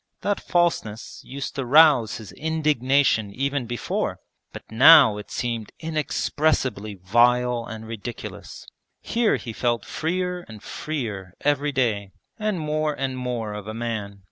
That falseness used to rouse his indignation even before, but now it seemed inexpressibly vile and ridiculous. Here he felt freer and freer every day and more and more of a man.